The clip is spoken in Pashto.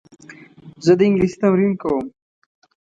زه د انګلیسي تمرین کوم.